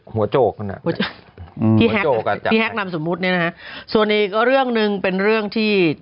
หัวโจกขึ้นฮะพี่แฮคนำสมมุตินี่นะคะส่วนนี้ก็เรื่องหนึ่งเป็นเรื่องที่